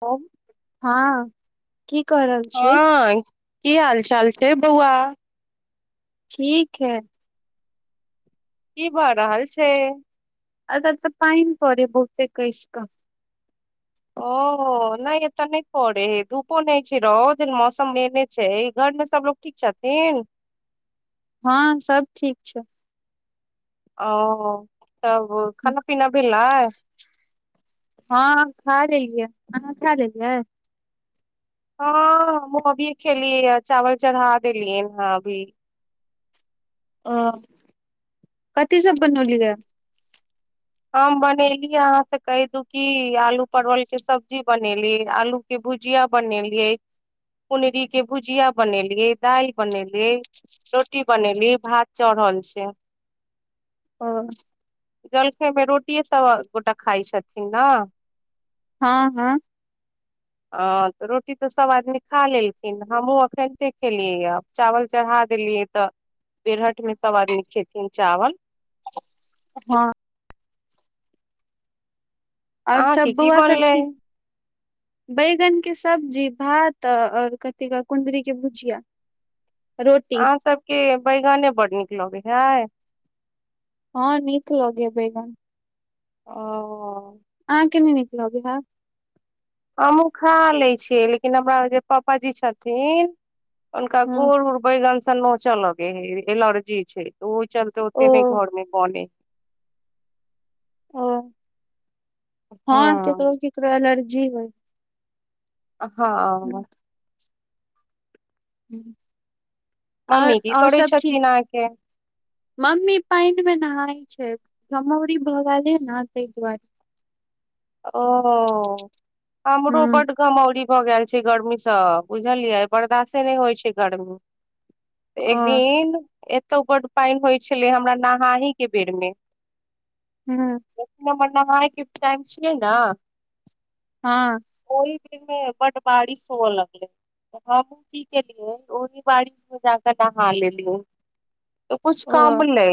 आ हँ कि करल हँ की हाल चाल छै बौआ ठीक है की भऽ रहल छै आ त तऽ पानि परइ है बहुते कइसक ओ नहि एतऽ नहि पड़ेे धूपो नहि छै रह मौसम लने छै घर में सबोग ठीक छथिन हँ सब ठीक छै ओ त खाना पीना भेलइ हँ खा लेलियै अहा खा लेलियै हँ हमूँ अभी खेलीए चावल चढ़ा देलिय अभी अ कथी सब बनौली है हम बनेली अहाँ से कहि दू की आलू परवल के सब्जी बनेली आलू के भुजिया बनेलियै कुनरी के भुजिया बनेलियै दाल बनेलियै रोटी बनेली भात चढ़ल छै ह जलखइ मे रोटिए सब गोटा खाय छथिन ने हँ हँ ह तऽ रोटी तऽ सब आदमी खा लेलखिन हमहहुँ एखनिते खेलियै चावल चढ़ा देलियै तऽ पेरहठ में सब आदमी खेथिन चावल हँ आओर अहाँ सब के की बुआ सब बनलै ठीक बैगन के सब्जी भात और कथी कह कुन्दरी के भुजिया रोटी अहाँ सबके बैगने बड़ नीक लगे हय हँ नीक लगे बैगन ओ आह कनी निकलाग इ है हमहूँ खा लै छियै लेकिन हमरा जे पापाजी छथिन हुनका ह गोड़ उड़ बैगनसँ नोचऽ लगे है एलर्जी छै चलते ओ होते नहि घर में बोने ओ हँ केकरो केकरो एलर्जी होय हँ हुँ मम्मी की करी छथिन अहा के मम्मी पानि मे नहाय छै घमउरी भ गेल रहै न तहि दुआरे ओ हमरो हूं बड्ड घमौरी भऽ गेल छै गर्मीसँ बुझलियै बर्दाशे नहि होइ छै गर्मी ओ एक दिन एतौ बड्ड पानि होइ छलै हमरा नहाय के बेर मे हूँ हमर नहायके टाइम छियै ने हँ ओहि बड्ड बारिश हुअ लगलै हमूँ की केलियै ओहि बारिश मे जाकऽ नहा लेलियै त कुछ ओ कम ले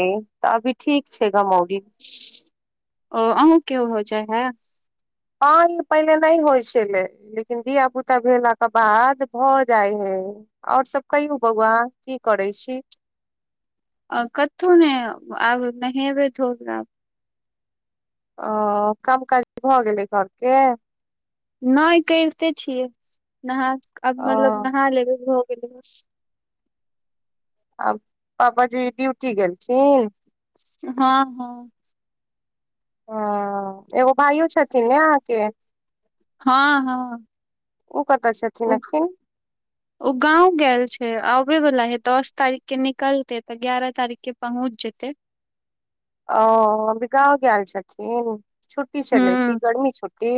तऽ अभी ठीक छै घमाौरी ओ अह के हो जाय हाय हँ ई पहिनेे नहि होइ छलै लेकिन धिया पुता भेलाके बाद भऽ जाइ हइ आओर सब कहियौ बौआ की करै छी अ कथहु ने आब नहेबे धोबबै आब ओ काम काज भऽ गेलै घरके नहि करिते छियै नहा आब ओ मतलब नहा लेबै भऽ गेलै बस आ पापाजी ड्यूटी गेलखिन हँ हँ हँ एगो भाइयो छथिन ने अहाँके हँ हँ ओ कतह छथिन अकिन ह [inaudible] ओ गाँंव गेल छै आबे वाला हे दस तारीख के निकलते तऽ ग्यारह तारीख के पहुँच जेते ओ अभी गाँंव गेल छथिन छुट्टी छलै की हूं गर्मी छुट्टी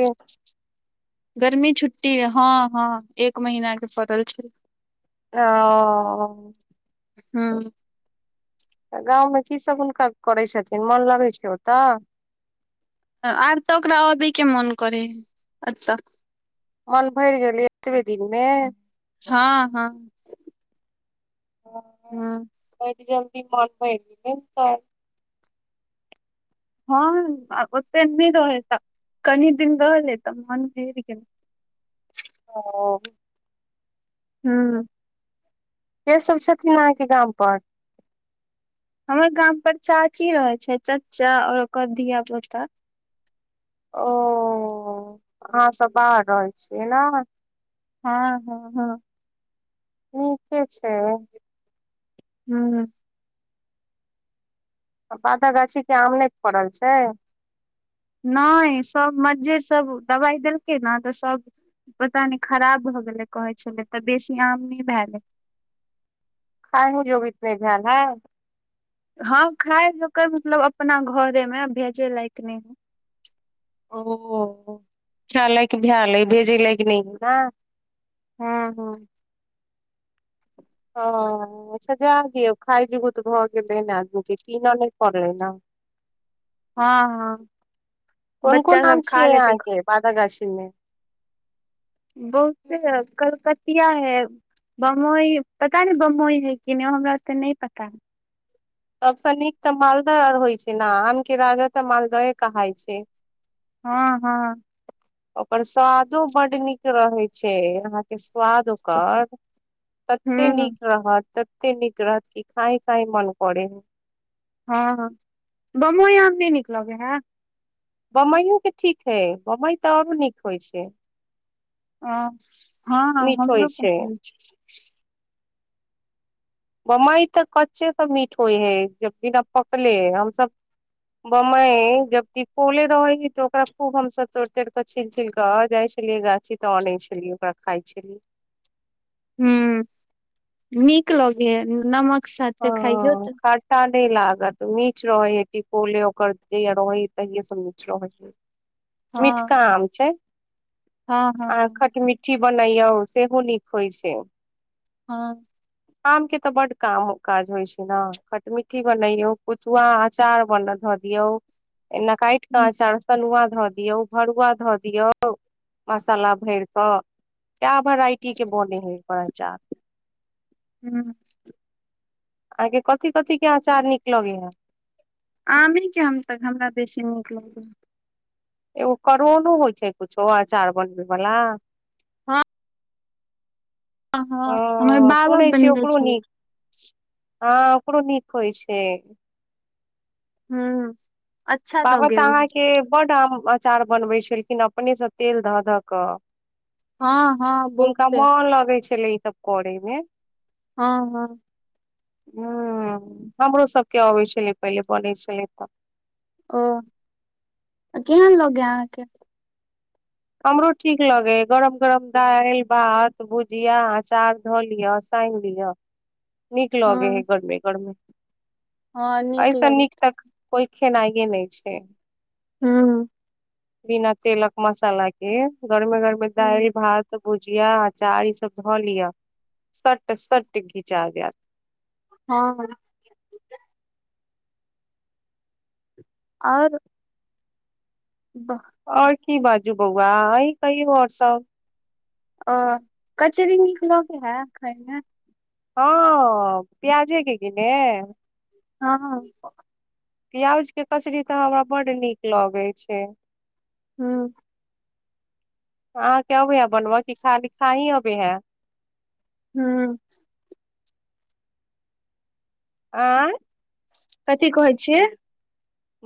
गर्मी छुट्टी हँ हँ एक महीना के पड़ल छै ओ हुँ गाँवमे की सब हुनका करै छथिन मोन लगै छै ओतऽ आर तऽ ओकरा अभी के मन करै हइ एत्त मन भरि गेलै एतबे दिनमे हँ हँ हुँ मन भ नहि त [inaudible] हँ ओते नहि रहे तऽ कनी दिन रहले तऽ मन भर गेल ओ हुँ के सब छथिन अहाँके गाम पर हमर गाम पर चाची रहे छै चाचा आऔर ओकर धिया पुता ओ अहाँ सब बाहर रहल छीयै ने हँ हँ हँ उ कै छै हुँ बादअ गाछी के आम नहि फड़ल छै नहि सब मजजर सब दबाइ देलकै ने तऽ सब पता नहि खराब भऽ गेलै कहै छलै तऽ बेसी आम नहि भए गेलै खाए जोगीत नहि ध्यान हँ हँ खाय जकर मतलब अपना घरे मे भेजे लायक नहि ह ओ खाय लायक भैल है भेजे लायक नहि है न हँ हँ ह अच्छा जा दियौ खाइ जग त भऽ गेलै ने आदमी के कीनऽ नहि पड़ले ने हँ हँ कोन बच्चा कोन आम सब छिय खा लेतै यहाँ के बाद गाछी मे बहुते कलकतिया है बम्बई पता न बम्बई है कि ने हमरा ओते नहि पता है सबस नीक तऽ मालदाह आर होइ छै ने आम के राजा तऽ मालदहे कहलाई छै हँ हँ ओकर स्वादो बड्ड नीक रहै छै अहाँके स्वाद ओकर तते हूँ नीक रहत तते नीक रहत कि खााय खााय मन करे हँ बमबइ आम नहि नीक लगै है बम्बइयो के ठीक है बम्बई तऽ अब नीक होइ छै ओ हँ हँ मीठ होइ हमरो छै पसन्द छै बम्बाई तऽ कच्चे सब मीठ होइ है जब बिना पकले ह हमस बम्बई जब क कोले रहे ह तो ओकरा खूब हमस तोड़ तोड़ के छील छिल के जाय छै छलै गाछी तऽ अने छली ओकरा खाय छलै ह नीक लगे नमक साथे खाइयौ तऽ अ टा नहि लागत नीच रहे ह टिकोले ओकर रहै तहिये सब नीच रहै [inaudible] मिटका आम छै हँ हँ आ हँ खट पुठी बनैयौ सेहो नीक होइ छै हँ आम के तऽ बड्ड काम हो काज होइ छै नऽ खटमीट्ठी बनैयौ कुचुआ अचार बन-धऽ दियौ एना काइट कऽ हूँ अचार तनुआ धऽ दियौ भरुआ धऽ दियौ मसाला भर कऽ क्य भराइटी के बोने है हू आहाँके कथि कथी के अचार निक लगे हे आमे के हम तक हमरा बेसी नीक लै एगो करोनो होइ छै कुछो अचार बनबै बला हँ हमर हँ बाबा सुनै छिय बनने ओकरो छलखिन नीक हँ ओकरो नीक होइ छै हू बाबा तऽ अहाँके बड्ड आम अचार बनबै छलखिन अपनेसँ तेल धऽ धऽ कऽ हँ हँ हुनका बहुते मन लगै छलै ईसभ करयमे हँ हँ ह हमरो सबके अबै छलै पहिले बनै छलै तऽ ओ केहेन लगे अहाँके हमरो ठीक लगे गरम गरम दालि भात भुजिया अचार धऽ लिअ साइन दियौ नीक लगे है हँ गरमे गरमे हँ ऐसा नीक लगैत तक कोइ खेनाइे नहि छै हँ बिना तेलक मसाला के गरमे गरमे हूँ दालि भात भुजिया अचार ई सब ध लियअ सट सट खिचा गत हँ आऔर वाह आओर की बाजू बौआ अइ कहियो आओर सब अ कचरी नीक लागेय हाय खायमे हँ पिआज कि कि ने हँ प्याज के कचरी तऽ हमरा बड्ड नीक लगैत छै हँ अहाँ के अबै है बनबऽ क खाली खा ही अबे हाय हुँ आँय कथी कहै छियै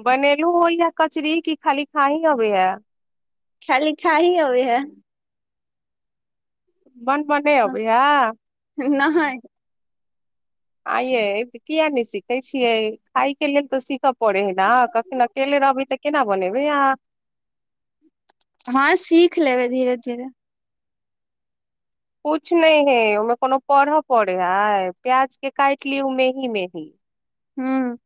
बनेलु हन या कचरी की खाली खाही अबेय या खालि खाही आबैय हाय बनबै नहि अबैय या नहिय आइये किया नहि सीखे छियै खाय के लेल तऽ सीखय पड़े है ने कखनो अकेले रहबे तऽ केना बनबै अहाँ हँ सीख लेबै धीरे धीरे कुछ नहि हे ओहिमे कोनो पढ़ऽ पड़े है प्याज के काट लि मेही मेही हुँ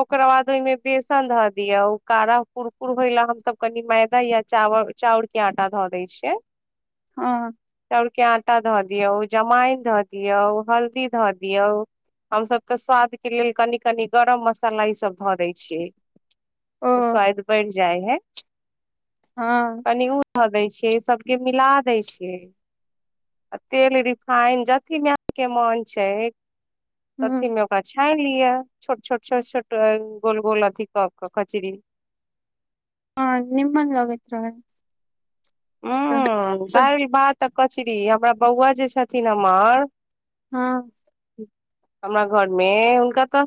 ओकरा बाद ओहिमे बेसन धऽ दियअ ओ कारा कुरकुर होय ला हमस कनि मैदा या चावल चाउर के आटा धो दै छियै हँ चाउरके आटा धऽ दियऔ जमाइन धऽ दियऔ हल्दी धऽ दियऔ हम सभके स्वाद के लेल कनि कनि गरम मसाला ई सब धऽ दै छियै ओ त स्वाद बढ़ जाय हइ हँ कनि ओ ध दै छियै सबके मिला दै छियै आ तेल रिफाइन अथी के मोन छै हूँ अथिमे ओकरा छानि लिअ छोट छोट छोट छोट गोल गोल अधिक कचरी हँ निमन लागैत रहै छै हूँ तऽ दाल भात कचरी हमरा बौआ जे छथिन हमर हँ हमरा घरमे हुनका तऽ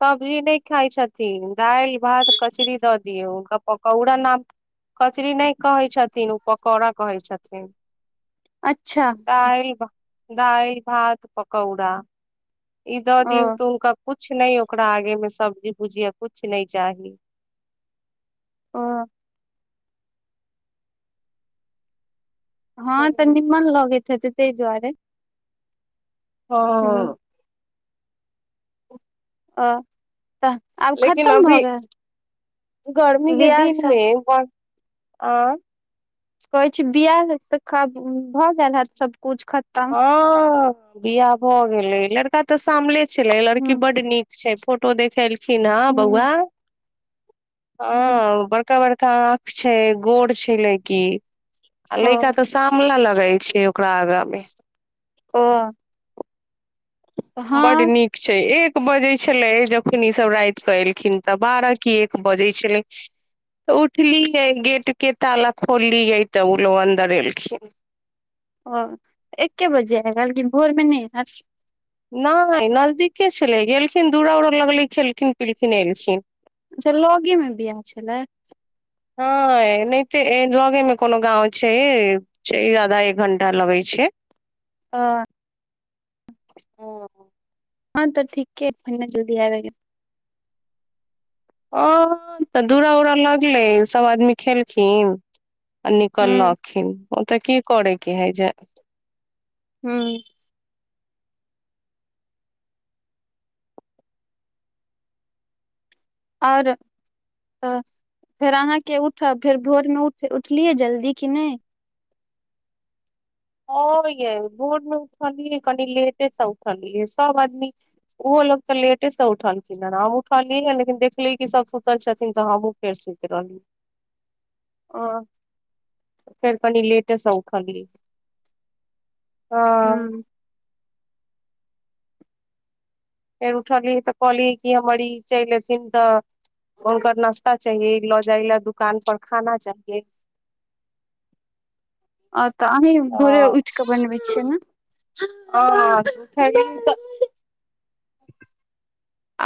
सब्जी नहि खाइ छथिन दालि भात कचरी दऽ दियौ हुनका पकौड़ा नाम कचरी नहि कहै छथिन ओ पकौड़ा कहै छथिन अच्छा दाल दालि भात पकौड़ा ई दऔ इ द ओ दियौ त हुनका कुछ नहि ओकरा आगे मे सब्जी भुजीआ कुछ न चाही ओ हँ तऽ हूँ निमन लगैत छै ताहि दुआरे हूँ ओह ओ तऽ आब लेकिन खतम अभी भऽ गेल गर्मी के बियाह दिन मे शादी ब आ कहै छी बिआह तऽ भऽ गेल हेत सबकुछ खतम हं बियाह भऽ गेले लड़का तऽ सामले छले लड़की हूँ बड नीक छय फोटो देखेलखिन हँ बौआ हूँ हूँ ह बड़का बड़का आँख छै गोर छै लैकी आ ओ लैका तऽ सामला लगैत छै ओकरा आगाँ मे ओ बड हँ नीक छै एक बजै छलै जखन ईसभ रात कऽ एलखिन तऽ बारह की एक बजै छलै उठलीये गेट के ताला खोललीे तऽ ओ लोग अन्दर एलखिन ओ एके बजे ह कलक भोरमे नहि नहि नजदीके छलै गेलखिन दूरा उरा लगले खेलखिन पलखिन एलखिन अच्छा लगे मे बिआह छलै हँ नहि ते लगे मे कोनो गाँंव छै से आधा एक घंटा लगै छै आ हँ तऽ ठीके जल्दी आ गेल ओ तऽ दुरा उरा लगले सब आदमी खेलखिन आ निकल हूँ लखिन ओ तऽ की कर कि हइ जे हँ आओर तऽ फेर अहाँके उठब फेर भोरमेठ उठलियै जल्दी कि नहि ह य बोड मे उठली कनि लेटेसँ उठलियइ सब आदमी ओहो लोक तऽ लेटे से उठलखिन हेँ हम उठलियै हे लेकिन देखली की सभ सुतल छथिन तऽ हमँ फेर शुती ओ फेर कनी लेटेस स उठलि ह हूँ फेर उठलियै तऽ कहलियै कि हमर ई चैल एथिन तऽ हुनकर नाश्ता चाहियइ लए जाय लै दुकान पर खाना चाहियइ आ तऽ अही भोरे उठ कऽ बनबै छियै ने ओ खऽ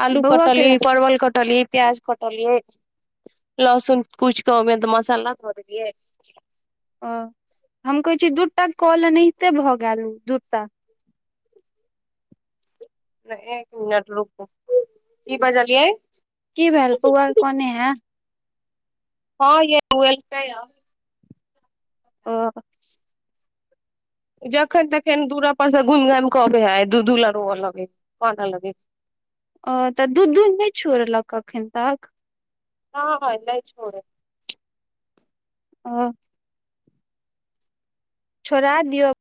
आलू बौआ कटली केलक परवल कटली प्याज कटलिय लसुन कुछि कमे मसाला ध देलियै ओ हम कहै छी दूटा कल एनाहिते भऽ गेल दूटा एक मिनट रुकू कि बजलियै कि भेल पोआ कोने हे हँ यहल [unintelligible] ओ जखन तखन दूरा पर से घुमि घामि क आबै है दू दू ल रोऽ लगेन लगे अ तऽ दू दूध नहि छोड़लक अखन तक हँ हँ इ ल छोड़ै ओ छोड़ा दिअ